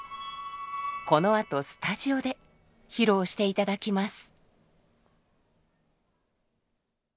この後スタジオで披露していただきます！